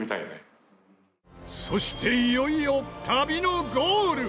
そしていよいよ旅のゴール！